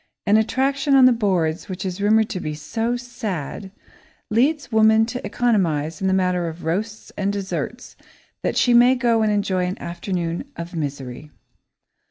An attraction on the boards which is rumoured to be "so sad," leads woman to economise in the matter of roasts and desserts that she may go and enjoy an afternoon of misery.